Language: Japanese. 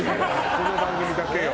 この番組だけよ。